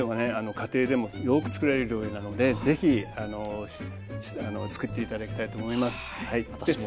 家庭でもよくつくられる料理なのでぜひつくって頂きたいと思います。